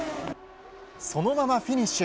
そのままフィニッシュ。